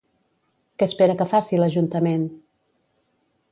Què espera que faci l'ajuntament?